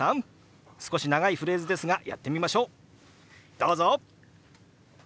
どうぞ！